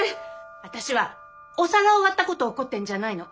私はお皿を割ったことを怒ってるんじゃないの。